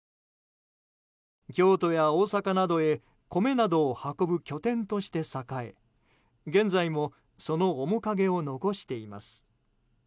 京都や大阪などへ米などを運ぶ拠点として栄え現在もその面影を残しています。